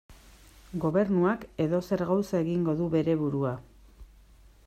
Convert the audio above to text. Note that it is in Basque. Gobernuak edozer gauza egingo du bere burua.